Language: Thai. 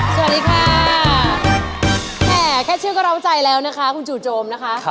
สวัสดีค่ะแหมแค่ชื่อก็เล่าใจแล้วนะคะคุณจู่โจมนะคะ